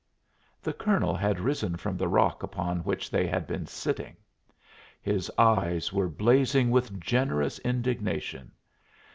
The colonel had risen from the rock upon which they had been sitting. His eyes were blazing with a generous indignation.